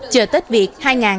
chờ tết việt hai nghìn hai mươi bốn